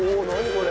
これ。